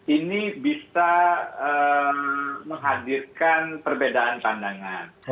ini bisa menghadirkan perbedaan pandangan